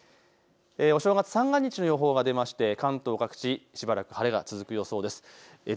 お正月三が日の予報が出まして関東各地しばらく晴れが続く予想です。